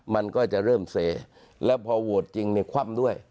มันก็จะเริ่มเสแล้วพอโหวตจริงในคว่ำด้วย